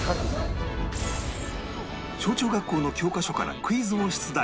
小中学校の教科書からクイズを出題